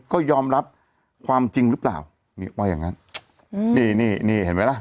ก็ยอมรับความจริงหรือเปล่านี่ว่าอย่างงั้นอืมนี่นี่เห็นไหมล่ะ